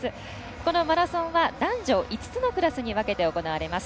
このマラソンは男女５つのクラスに分けて行われます。